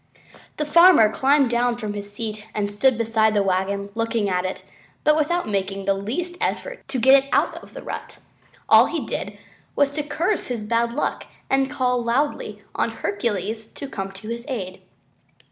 The farmer climbed down from his seat and stood beside the wagon looking at it but without making the least effort to get it out of the rut. All he did was to curse his bad luck and call loudly on Hercules to come to his aid.